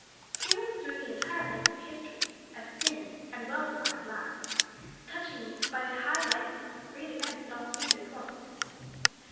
He runs through the entire length of history, as a thin but well defined line, touched by the high lights of great events at almost every point.'"